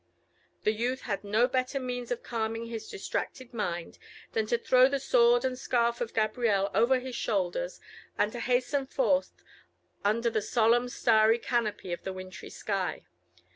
The youth had no better means of calming his distracted mind than to throw the sword and scarf of Gabrielle over his shoulders, and to hasten forth under the solemn starry canopy of the wintry sky.